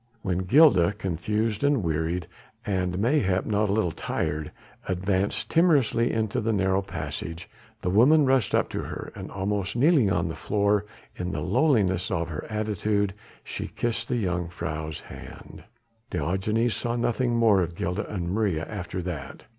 When Gilda, confused and wearied, and mayhap not a little tired, advanced timorously into the narrow passage, the woman rushed up to her, and almost kneeling on the floor in the lowliness of her attitude, she kissed the jongejuffrouw's hand. Diogenes saw nothing more of Gilda and Maria after that.